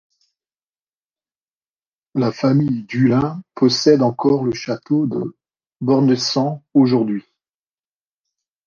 La famille Dullin possède encore le château de Bornessant aujourd'hui.